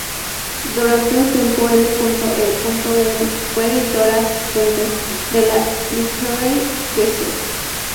Durante un tiempo L. E. L. fue editora asistente de la "Literary Gazette".